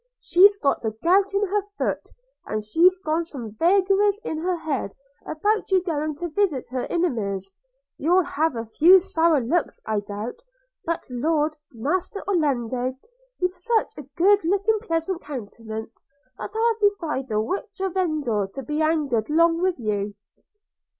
– She've got the gout in her foot, and she've got some vagaries in her head about your going to visit her innimies: you'll have a few sour looks, I doubt – but, Lord! Master Orlando, you've such a good looking pleasant countenance, that I'll defy the witch of Endor to be anger'd long with you.'